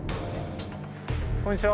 こんにちは。